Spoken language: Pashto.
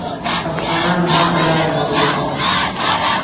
افغانانو هلته لاره نیولې ده.